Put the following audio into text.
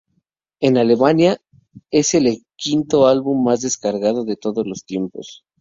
En Alemania, es el quinto álbum más descargado de todos los tiempos.